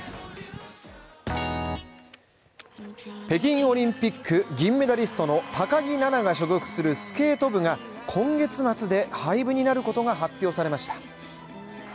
北京オリンピック銀メダリストの高木菜那が所属するスケート部が今月末で廃部になることが発表されました。